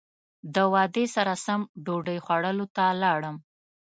د وعدې سره سم ډوډۍ خوړلو ته لاړم.